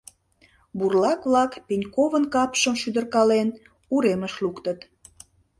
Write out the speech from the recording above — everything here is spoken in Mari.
Бурлак-влак Пеньковын капшым, шӱдыркален, уремыш луктыт.